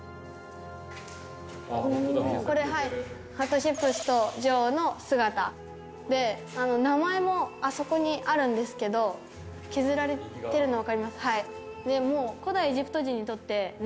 ハトシェプスト女王の姿で名前もあそこにあるんですけど削られてるのわかります？